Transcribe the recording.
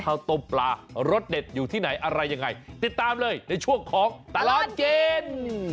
ข้าวต้มปลารสเด็ดอยู่ที่ไหนอะไรยังไงติดตามเลยในช่วงของตลอดกิน